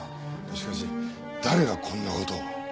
しかし誰がこんな事を。